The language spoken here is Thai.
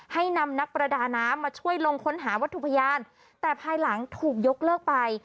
ให้นำนักประดาน้ำมาช่วยลงค้นหาวัตถุพยานแต่ภายหลังถูกยกเลิกไป